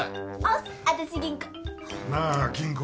なあ吟子